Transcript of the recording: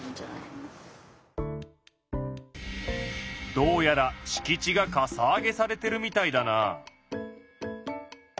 どうやらしき地がかさ上げされてるみたいだな。